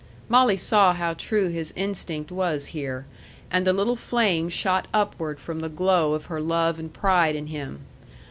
Molly saw how true his instinct was here; and a little flame shot upward from the glow of her love and pride in him.